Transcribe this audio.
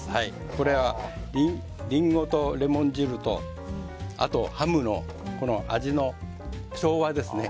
これはリンゴとレモン汁とあとハムの味の調和ですね。